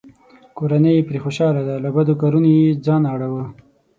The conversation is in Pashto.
کورنۍ یې پرې خوشحاله ده؛ له بدو کارونو یې ځان اړووه.